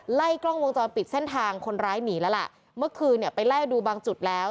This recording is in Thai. ไล่กล้องวงจรปิดเส้นทางคนร้ายหนีแล้วล่ะเมื่อคืนเนี่ยไปไล่ดูบางจุดแล้ว